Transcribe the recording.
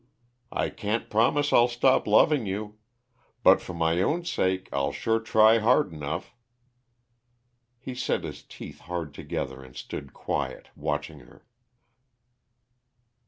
I can't promise I'll stop loving you but for my own sake I'll sure try hard enough." He set his teeth hard together and stood quiet, watching her.